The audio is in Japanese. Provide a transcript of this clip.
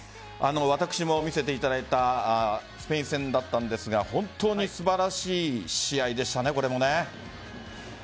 私も見せていただいたスペイン戦だったんですが本当に素晴らしい試合でしたねこれも。